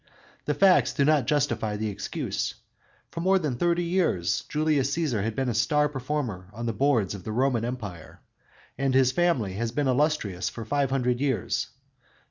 The facts do not justify the excuse. For more than thirty years Julius Cæsar had been a star performer on the boards of the Roman Empire, and his family had been illustrious for five hundred years.